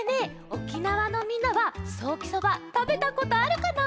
沖縄のみんなはソーキそばたべたことあるかな？